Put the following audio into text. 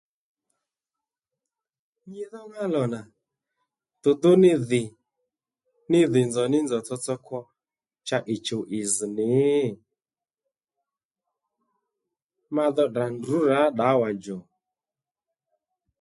Nyi dho ŋá lò nà dùdú ní dhì nzòw ní nzòw tsotso kwo cha ì chùw ì zz̀ nì? Ma dho tdrà ndrǔ rǎ ddǎwa djò